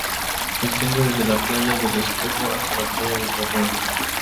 Se extiende desde la playa del Espejo hasta la playa de Carrión.